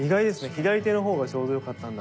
左手のほうがちょうど良かったんだ。